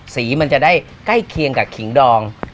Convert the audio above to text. สีมันจะได้ใกล้เคียงกับขิงดอง